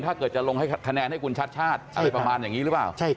ถ้าเกิดจะลงให้คะแนนให้คุณชัดชาติอะไรประมาณอย่างนี้หรือเปล่า